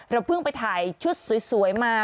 เพิ่งไปถ่ายชุดสวยมา